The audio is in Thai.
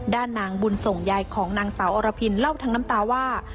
ด้านนางบุญส่งยายของนางสาวอรพินเล่าทั้งน้ำตาว่า